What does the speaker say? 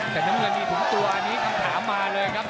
แต่น้ำเงินนี่ถึงตัวอันนี้คำถามมาเลยครับ